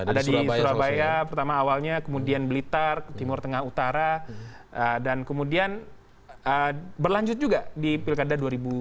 ada di surabaya pertama awalnya kemudian blitar timur tengah utara dan kemudian berlanjut juga di pilkada dua ribu tujuh belas